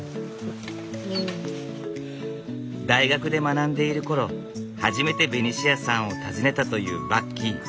大学で学んでいる頃初めてベニシアさんを訪ねたというバッキー。